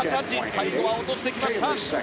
最後は落としてきました。